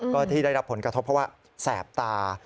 ก็ที่ได้รับผลกระทบเพราะว่าแสบตา